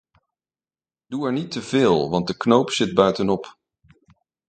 Doe er niet teveel, want de knoop zit buitenop.